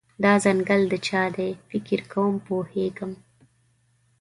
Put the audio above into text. دا ځنګل د چا دی، فکر کوم پوهیږم